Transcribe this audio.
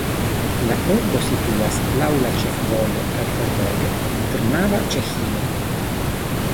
La urbo situas laŭ la ĉefvojo kaj fervojo Trnava-Ĉeĥio.